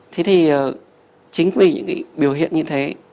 thế thì chính vì những cái biểu hiện như thế